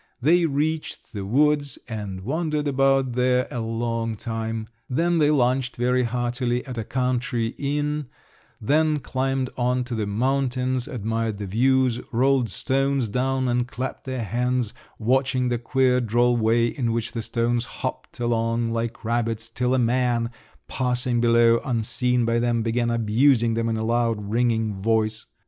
They reached the woods, and wandered about there a long time; then they lunched very heartily at a country inn; then climbed on to the mountains, admired the views, rolled stones down and clapped their hands, watching the queer droll way in which the stones hopped along like rabbits, till a man passing below, unseen by them, began abusing them in a loud ringing voice.